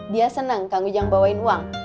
dia seneng kang gujang bawain uang